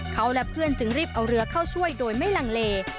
เขาและเพื่อนจึงรีบเอาเรือเข้าช่วยโดยไม่ลังเล